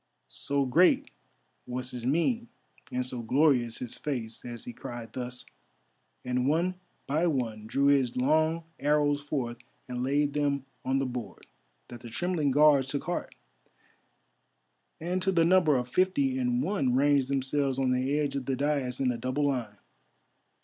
So great was his mien and so glorious his face as he cried thus, and one by one drew his long arrows forth and laid them on the board, that the trembling Guards took heart, and to the number of fifty and one ranged themselves on the edge of the daïs in a double line.